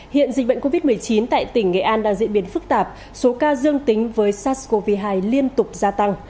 hiện dịch bệnh covid một mươi chín tại tỉnh nghệ an đang diễn biến phức tạp số ca dương tính với sars cov hai liên tục gia tăng